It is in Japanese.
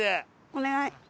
お願い。